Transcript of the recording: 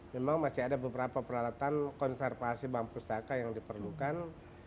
memang masih ada beberapa peralatan konservasi bank pustaka yang diperlukan